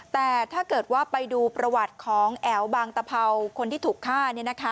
แต่ถ้าเกิดว่าไปดูประวัติของแอ๋วบางตะเภาคนที่ถูกฆ่า